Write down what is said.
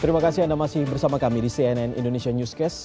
terima kasih anda masih bersama kami di cnn indonesia newscast